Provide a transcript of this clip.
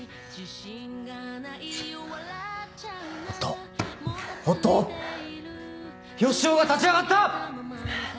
おっとおっと良夫が立ち上がった！